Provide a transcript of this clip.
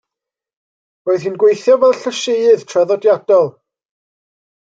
Roedd hi'n gweithio fel llysieuydd traddodiadol.